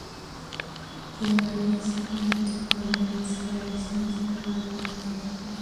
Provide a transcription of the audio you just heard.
His writings served to promote Swedish National Romanticism.